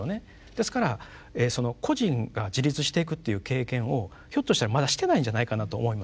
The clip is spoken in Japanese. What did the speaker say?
ですから個人が自立していくっていう経験をひょっとしたらまだしていないんじゃないかなと思います。